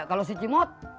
kalau si cimot